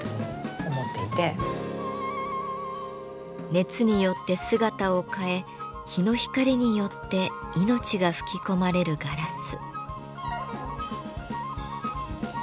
熱によって姿を変え日の光によって命が吹き込まれるガラス。